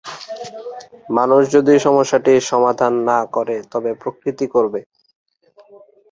মানুষ যদি সমস্যাটির সমাধান না করে তবে প্রকৃতি করবে।